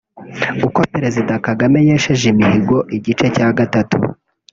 Uko Perezida Kagame yesheje imihigo (Igice cya gatatu)